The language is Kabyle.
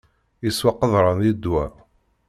Yeswa qeḍran i ddwa.